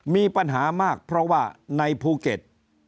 มีปัญหามากเพราะว่าในภูเก็ต